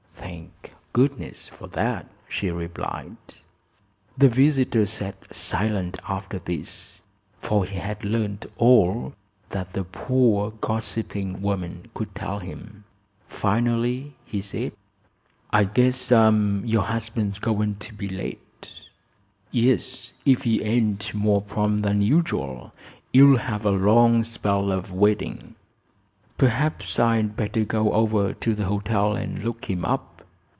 "Thank goodness for that!" she replied. The visitor sat silent after this, for he had learned all that the poor gossiping woman could tell him. Finally he said: "I guess your husband's going to be late." "Yes; if he ain't more prompt than usual you'll have a long spell of waiting." "Perhaps I'd better go over to the hotel and look him up.